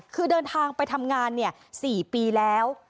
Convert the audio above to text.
คือเดินทางไปทำงาน๔ปีแล้ว